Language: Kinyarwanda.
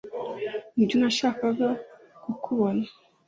Nibyo nashakaga kukubona